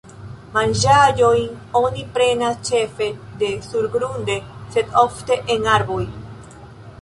Manĝaĵojn oni prenas ĉefe de surgrunde sed ofte en arboj.